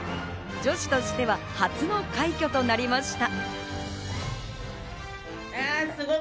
女子としては初の快挙となりました。